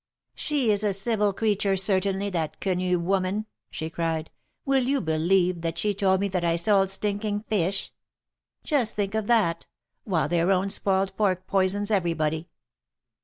She is a civil creature, certainly, that Quenu woman," she cried. Will you believe that she told me that I sold stinking fish! Just think of that! — while their own spoiled pork poisons everybody